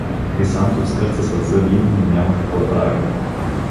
Хрисантов скърца със зъби, но няма какво да прави.